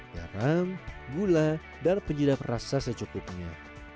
garam gula dan penyedap rasa secukupnya